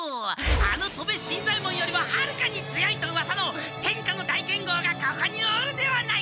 あの戸部新左ヱ門よりははるかに強いとうわさの天下の大剣豪がここにおるではないか！